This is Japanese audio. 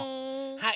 はい。